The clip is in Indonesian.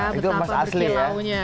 tuh tadi emasnya udah kelihatan lah ya